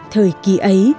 thời kỳ ấy